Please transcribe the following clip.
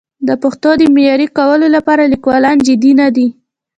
د پښتو د معیاري کولو لپاره لیکوالان جدي نه دي.